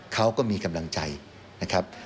เขาก็มีกำลังใจนะครับ